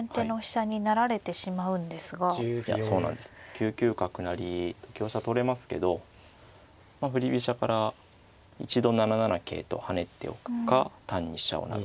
９九角成と香車取れますけど振り飛車から一度７七桂と跳ねておくか単に飛車を成るか。